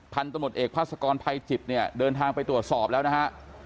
ตำรวจเอกพาสกรภัยจิตเนี่ยเดินทางไปตรวจสอบแล้วนะฮะ